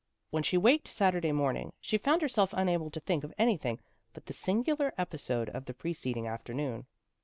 When she waked Saturday morning, she found her self unable to think of anything but the singular episode of the preceding afternoon.